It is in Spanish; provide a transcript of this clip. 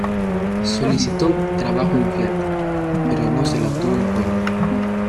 Solicitó trabajo en Fiat, pero no se lo tuvo en cuenta.